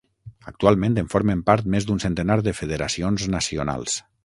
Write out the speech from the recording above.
Actualment en formen part més d'un centenar de federacions nacionals.